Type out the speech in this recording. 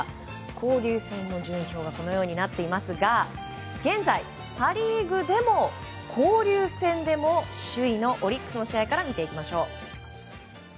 交流戦の順位表はこのようになっていますが現在パ・リーグでも交流戦でも首位のオリックスの試合から見ていきましょう。